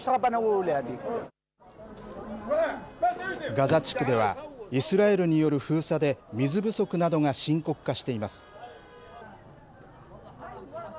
ガザ地区では、イスラエルによる封鎖で水不足などが深刻化しています。